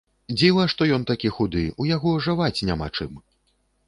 Дзіва што ён такі худы, у яго жаваць няма чым.